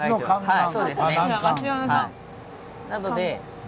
はい。